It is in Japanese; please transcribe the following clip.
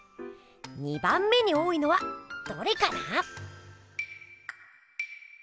２番目に多いのはどれかな？